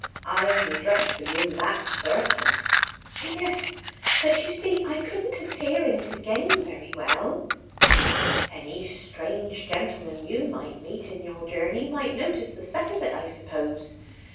I only dress for you, that's certain." "Yes, but you see I couldn't appear in it again very well." "Any strange gentleman you mid meet in your journey might notice the set of it, I suppose.